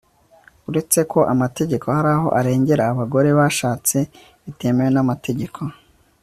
uretse ko amategeko haraho arengera abagore bashatse bitemewe n'amategeko